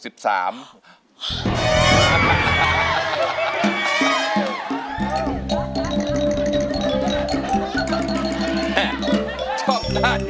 ชอบหน้าจริง